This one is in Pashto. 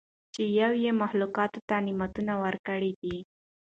چې یو ئي مخلوقاتو ته نعمتونه ورکړي دي